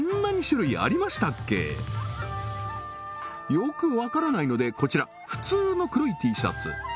よくわからないのでこちら普通の黒いＴシャツ